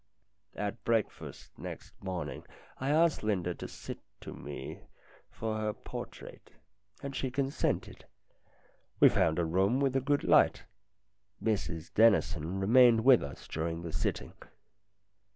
At breakfast next morning I asked Linda to sit to me for her portrait, and she consented. We found a room with a good light. Mrs Dennison remained with us during the sitting.